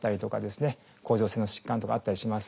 甲状腺の疾患とかあったりします。